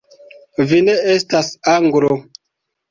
Vi ne estas Anglo!